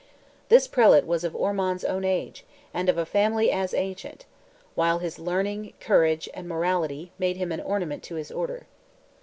This prelate was of Ormond's own age, and of a family as ancient; while his learning, courage, and morality, made him an ornament to his order.